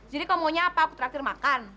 jadi kau maunya apa aku traktir makan